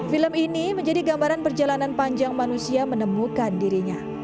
film ini menjadi gambaran perjalanan panjang manusia menemukan dirinya